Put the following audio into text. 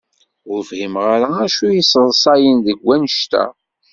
Ur fhimeɣ ara acu i yesseḍsayen deg wanect-a.